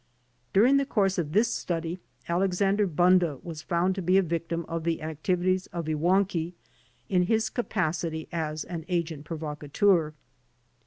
During the course of this study Alexander Bunda was found to be a victim of the activi ties of Iwankiw in his capacity as an agent provocateur.